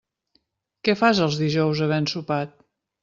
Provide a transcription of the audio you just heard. Què fas els dijous havent sopat?